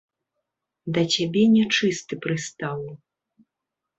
Да цябе нячысты прыстаў.